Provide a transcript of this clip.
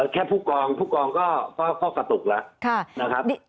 แค่ผู้กองผู้กองก็กระตุกแล้วนะครับ